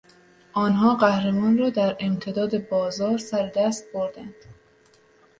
آنها قهرمان را در امتداد بازار سردست بردند.